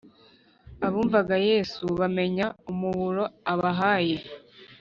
abumvaga yesu bamenye umuburo abahaye